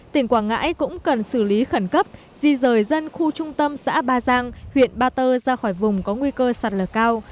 tỉnh quảng ngãi cũng cần xử lý khẩn cấp di rời dân khu trung tâm xã ba giang huyện ba tơ ra khỏi vùng có nguy cơ sạt lở cao